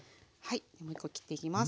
もう一個切っていきます。